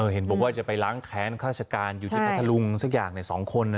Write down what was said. เห็นบอกว่าจะไปล้างแค้นข้าราชการอยู่ที่พัทธลุงสักอย่าง๒คน